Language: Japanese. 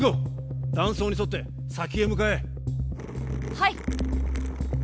はい。